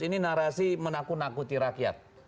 ini narasi menakut nakuti rakyat